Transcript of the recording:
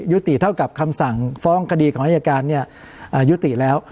ยุติเท่ากับคำสั่งฟ้องคดีของอายการยุติแล้ว